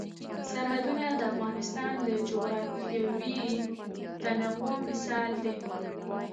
سرحدونه د افغانستان د جغرافیوي تنوع مثال دی.